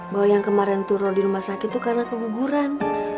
bahwa yang kemarin tuh lo di rumah sakit tuh karena keguguran